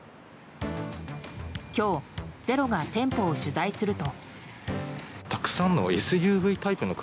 今日、「ｚｅｒｏ」が店舗を取材すると。